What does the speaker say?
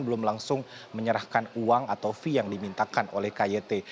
belum langsung menyerahkan uang atau fee yang dimintakan oleh kyt